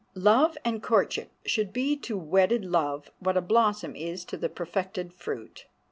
] Love and courtship should be to wedded love what a blossom is to the perfected fruit.